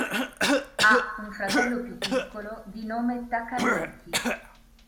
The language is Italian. Ha un fratello più piccolo di nome Takayuki.